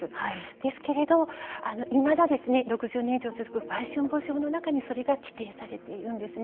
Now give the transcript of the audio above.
ですけれどいまだ６０年以上続く売春防止法の中にそれが規定されているんですね。